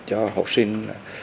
cho học sinh